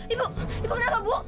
ibu ibu kenapa bu